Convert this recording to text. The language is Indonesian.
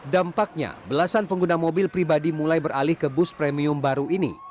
dampaknya belasan pengguna mobil pribadi mulai beralih ke bus premium baru ini